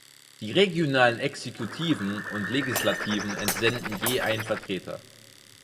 Die regionalen Exekutiven und Legislativen entsenden je einen Vertreter.